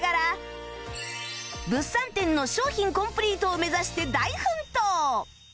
物産展の商品コンプリートを目指して大奮闘！